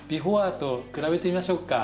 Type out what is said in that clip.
「Ｂｅｆｏｒｅ」と比べてみましょうか。